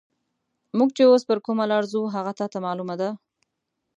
موږ چې اوس پر کومه لار ځو، هغه تا ته معلومه ده؟